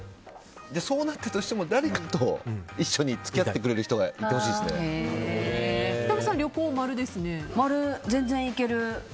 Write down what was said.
そうなったとしても誰かと一緒に付き合ってくれる人が仁美さん、旅行、○ですね。全然行ける。